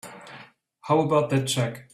How about that check?